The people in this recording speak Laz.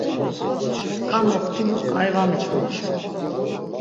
Skan oxtimu ǩai var mitzons.